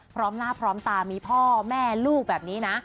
พร้อมหน้าพร้อมตามีพ่อแม่ลูกแบบนี้นะ